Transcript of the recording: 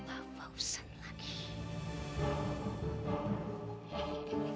aku ingin cepat cepat